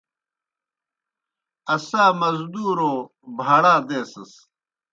اسا مزدورو بھاڑا دیسَس۔